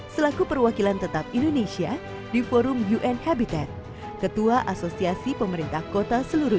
selaku perwakilan tetap indonesia di forum un habitat ketua asosiasi pemerintah kota seluruh